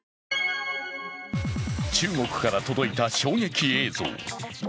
中国から届いた衝撃映像。